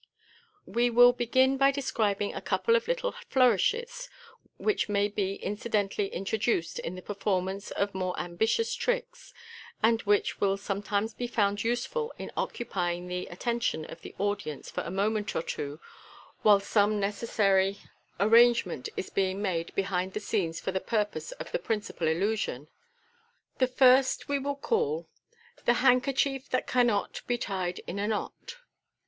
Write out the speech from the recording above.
We will begin by describing a couple of little " nourishes," which may be incidentally introduced in the performance of more ambitious tricks, and which will sometimes be found useful in occupying the attention of the audience for a moment or two while some neces MODERN MAGIC. 237 sary arrangement is being made behind the scenes for the purpose of the principal illusion. The first we will call — The Handkerchief that cannot be Tied in a Knot.